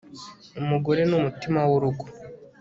umugore ni umutima w'urugo